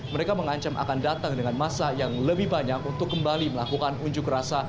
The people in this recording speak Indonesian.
mereka mengancam akan datang dengan masa yang lebih banyak untuk kembali melakukan unjuk rasa